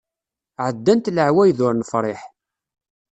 Ɛeddant leɛwayed ur nefṛiḥ.